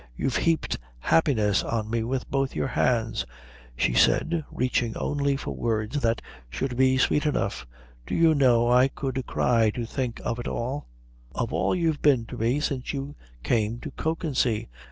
You've heaped happiness on me with both your hands." She said, searching only for words that should be sweet enough, "Do you know I could cry to think of it all of all you've been to me since you came to Kökensee.